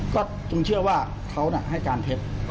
ก็จึงเชื่อว่าเขาให้การเท็จ